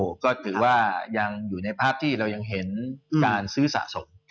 ก็ถือว่ายังอยู่ในภาพที่เรายังเห็นการซื้อสะสม